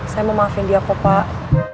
saya mau maafin dia kok pak